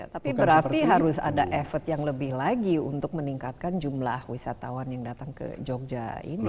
tapi berarti harus ada effort yang lebih lagi untuk meningkatkan jumlah wisatawan yang datang ke jogja ini